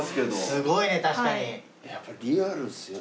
すごいね確かに。